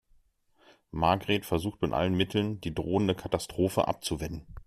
Margret versucht mit allen Mitteln, die drohende Katastrophe abzuwenden.